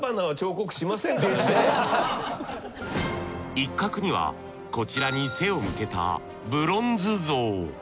一角にはこちらに背を向けたブロンズ像。